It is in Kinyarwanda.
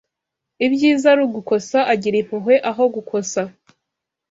ibyiza ari ugukosa agira impuhwe aho gukosa